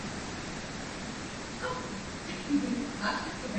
Utahitaji beseni kubwa la kuoshea viazi